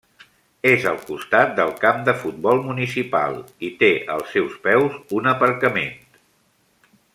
És al costat del camp de futbol municipal i té als seus peus un aparcament.